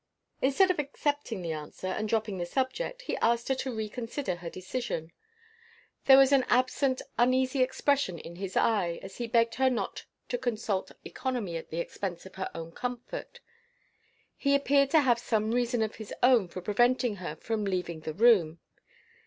Instead of accepting the answer, and dropping the subject, he asked her to reconsider her decision. There was an absent, uneasy expression in his eye as he begged her not to consult economy at the expense of her own comfort. He appeared to have some reason of his own for preventing her from leaving the room.